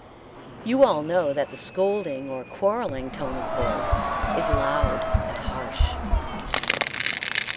You all know that the scolding or quarreling tone of voice is loud and harsh.